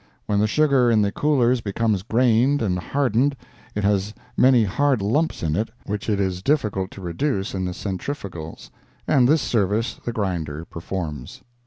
When the sugar in the coolers becomes grained and hardened it has many hard lumps in it which it is difficult to reduce in the centrifugals, and this service the grinder performs.